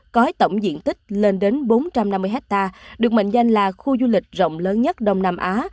có tổng diện tích lên đến bốn trăm năm mươi hectare được mệnh danh là khu du lịch rộng lớn nhất đông nam á